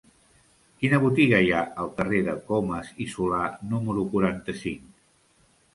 Quina botiga hi ha al carrer de Comas i Solà número quaranta-cinc?